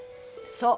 そう。